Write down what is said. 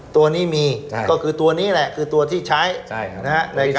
ตัวนี้มีใช่ก็คือตัวนี้แหละคือตัวที่ใช้ใช่ครับนะฮะ